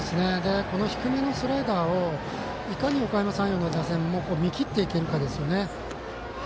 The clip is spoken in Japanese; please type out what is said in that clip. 低めのスライダーをいかにおかやま山陽の打線が見切っていけるかですよね。